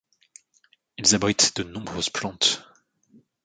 Ils abritent de nombreuses plantes.